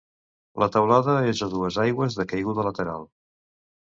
La teulada és a dues aigües de caiguda lateral.